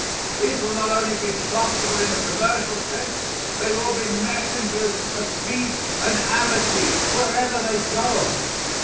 These will not only be profitable in a commercial sense; they will be messengers of peace and amity wherever they go.